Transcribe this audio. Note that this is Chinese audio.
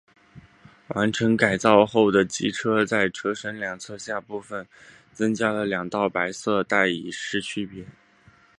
完成改造后的机车在车身两侧下部增加了两道白色带以示区别。